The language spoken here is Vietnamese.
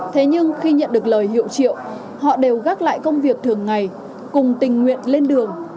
thế nhưng khi nhận được lời hiệu triệu họ đều gác lại công việc thường ngày cùng tình nguyện lên đường